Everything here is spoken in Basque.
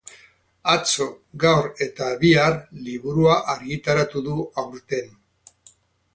Atzo, gaur eta bihar liburua argitaratu du aurten.